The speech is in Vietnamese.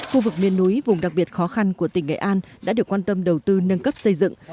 khu vực miền núi vùng đặc biệt khó khăn của tỉnh nghệ an đã được quan tâm đầu tư nâng cấp xây dựng